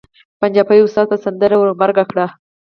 پنجابي استاد به سندره ور غبرګه کړي.